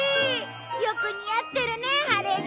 よく似合ってるね晴れ着。